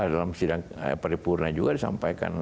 dalam sidang paripurna juga disampaikan